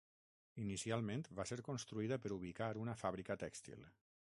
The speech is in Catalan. Inicialment va ser construïda per ubicar una fàbrica tèxtil.